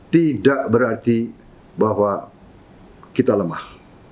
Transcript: tidak berarti bahwa kita lemah